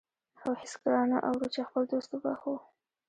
خو هېڅکله نه اورو چې خپل دوست وبخښو.